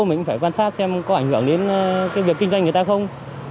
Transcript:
mình cũng phải quan sát xem có ảnh hưởng đến cái việc kinh doanh người ta không